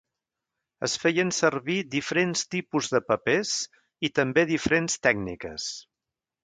Es feien servir diferents tipus de papers i també diferents tècniques.